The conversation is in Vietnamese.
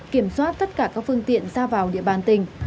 kiểm soát tất cả các phương tiện ra vào địa bàn tỉnh